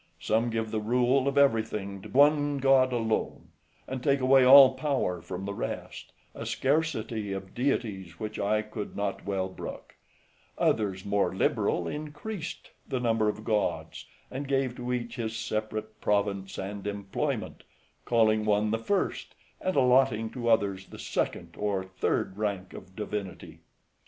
Some give the rule of everything to one god alone, and take away all power from the rest, a scarcity of deities which I could not well brook; others more liberal, increased the number of gods, and gave to each his separate province and employment, calling one the first, and allotting to others the second or third rank of divinity.